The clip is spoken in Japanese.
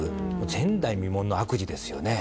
前代未聞の悪事ですよね。